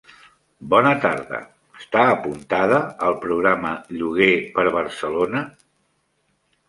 Bona tarda, està apuntada al programa Lloguer per Barcelona?